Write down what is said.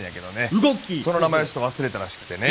その名前をちょっと忘れたらしくてね。